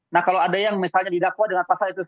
nah kalau ada yang misalnya didakwa dengan pasal itu